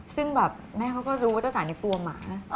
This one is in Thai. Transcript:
ซึ่งแม่เขาก็รู้ว่าจะต่างจากตัวหมา